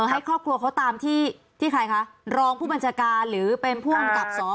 ให้ครอบครัวเขาตามที่ที่ใครคะรองผู้บัญชาการหรือเป็นผู้อำกับสอ